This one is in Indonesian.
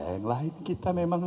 yang lain kita memang